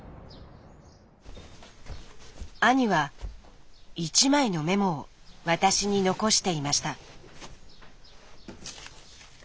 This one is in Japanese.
兄は一枚のメモを私に残していました。